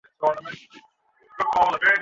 আদিত্য বেশ একটু সময় নিয়ে ধীরে ধীরে পরিয়ে দিলে।